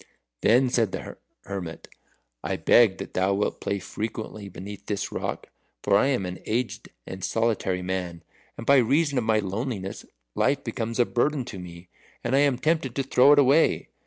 Then said the hermit, "I beg that thou wilt play frequently beneath this rock; for I am an aged and solitary man, and by reason of my loneliness, life becomes a burden to me, and I am tempted to throw it away.